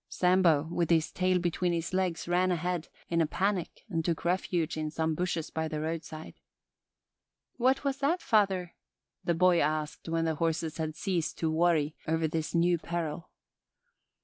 Sambo, with his tail between his legs, ran ahead, in a panic, and took refuge in some bushes by the roadside. "What was that, father?" the boy asked when the horses had ceased to worry over this new peril.